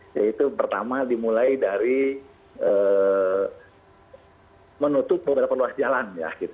yaitu pertama dimulai dari menutup beberapa ruas jalan